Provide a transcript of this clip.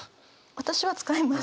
私は使います。